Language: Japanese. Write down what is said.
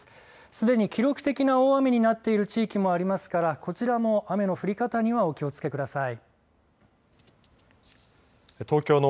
すでに記録的な大雨になっている地域もありますからこちらも雨の降り方にはお気をつけください。